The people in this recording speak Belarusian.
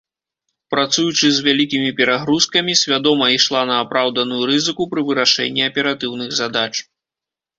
Працуючы з вялікімі перагрузкамі, свядома ішла на апраўданую рызыку пры вырашэнні аператыўных задач.